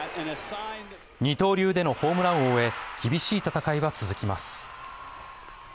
二刀流でのホームラン王へ、厳しい戦いは続きます。